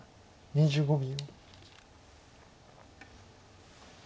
２５秒。